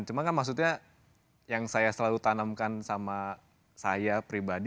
cuma kan maksudnya yang saya selalu tanamkan sama saya pribadi